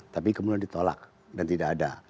tapi kemudian ditolak dan tidak ada